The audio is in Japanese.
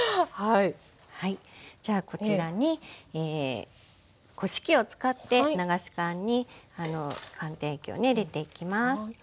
じゃあこちらにこし器を使って流し函に寒天液をね入れていきます。